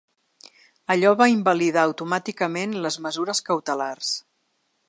Allò va invalidar automàticament les mesures cautelars.